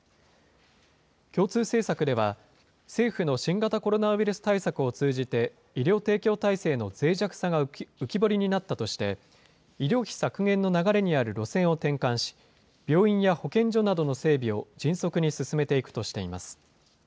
共通政策では、政府の新型コロナウイルス対策を通じて、医療提供体制のぜい弱さが浮き彫りになったとして、医療費削減の流れにある路線を転換し、病院や保健所などの整備を迅速に進めていくとしています。